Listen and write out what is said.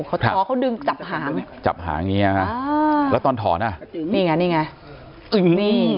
เขาท้อเขาดึงจับหางจับหางอย่างนี้นะคะแล้วตอนถอนอ่ะนี่ไงนี่ไง